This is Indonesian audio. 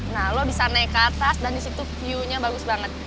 nah lo bisa naik ke atas dan disitu view nya bagus banget